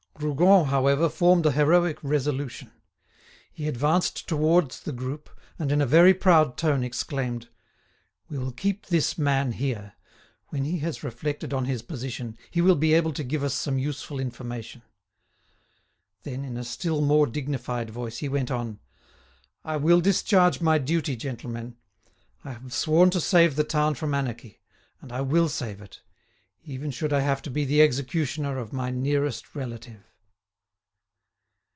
Rougon, however, formed a heroic resolution. He advanced towards the group, and in a very proud tone exclaimed: "We will keep this man here. When he has reflected on his position he will be able to give us some useful information." Then, in a still more dignified voice, he went on: "I will discharge my duty, gentlemen. I have sworn to save the town from anarchy, and I will save it, even should I have to be the executioner of my nearest relative."